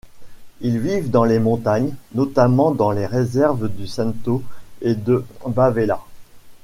Ils vivent dans les montagnes, notamment dans les réserves du Cinto et de Bavella.